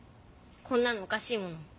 こんなのおかしいもん。